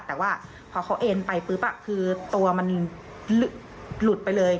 แต่ว่าพอเขาเอ็นไปปุ๊บคือตัวมันหลุดไปเลย